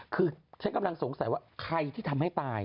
คือฉันกำลังสงสัยว่าใครที่ทำให้ตาย